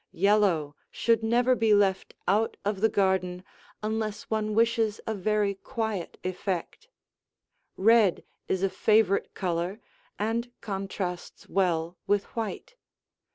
Yellow should never be left out of the garden unless one wishes a very quiet effect; red is a favorite color and contrasts well with white.